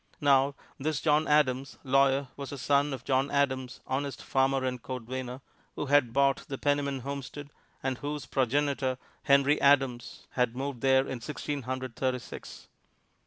Now this John Adams, lawyer, was the son of John Adams, honest farmer and cordwainer, who had bought the Penniman homestead, and whose progenitor, Henry Adams, had moved there in Sixteen Hundred Thirty six.